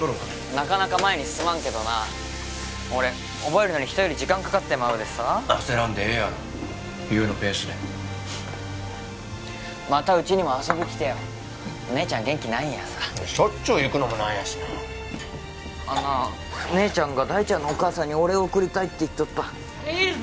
なかなか前に進まんけどな俺覚えるのに人より時間かかってまうでさ焦らんでええやろ優のペースでまたうちにも遊びきてよ姉ちゃん元気ないんやさしょっちゅう行くのも何やしなあんなあ姉ちゃんが大ちゃんのお母さんにお礼送りたいって言っとったいいさ